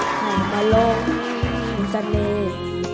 หมาลงทั้งเสน่ห์